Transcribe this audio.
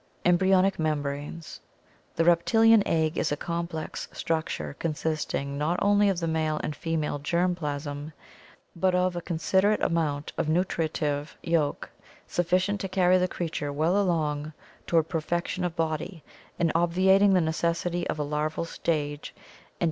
Embryonic M e m branes.— The reptilian egg is a complex struc ture consisting not only of the male and female germ plasm but of a con siderable amount of nu tritive yolk, sufficient to carry tie creature well along toward perfection of body and obviating the necessity of a larval stage and a metamor FlG.